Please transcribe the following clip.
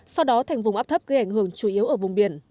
sau đó thành vùng áp thấp gây ảnh hưởng chủ yếu ở vùng biển